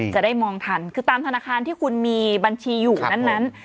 จะได้มองทันคือตามธนาคารที่คุณมีบัญชีอยู่นั้น